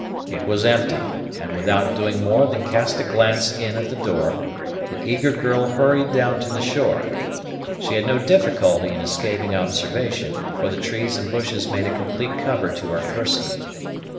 It was empty; and, without doing more than cast a glance in at the door, the eager girl hurried down to the shore. She had no difficulty in escaping observation, for the trees and bushes made a complete cover to her person.